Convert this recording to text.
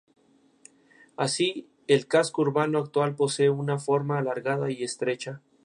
Así, el casco urbano actual posee una forma alargada y estrecha.